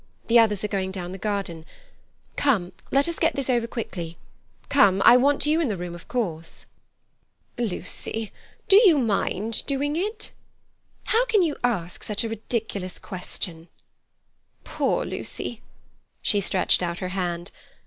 The others are going down the garden. Come. Let us get this over quickly. Come. I want you in the room, of course." "Lucy, do you mind doing it?" "How can you ask such a ridiculous question?" "Poor Lucy—" She stretched out her hand.